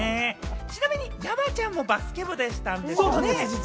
ちなみに山ちゃんもバスケ部でしたんですよね？